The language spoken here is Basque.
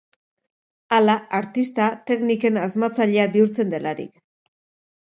Hala, artista tekniken asmatzailea bihurtzen delarik.